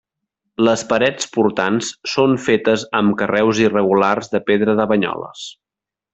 Les parets portants són fetes amb carreus irregulars de pedra de Banyoles.